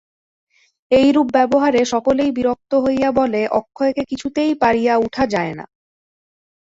এইরূপ ব্যবহারে সকলেই বিরক্ত হইয়া বলে, অক্ষয়কে কিছুতেই পারিয়া উঠা যায় না।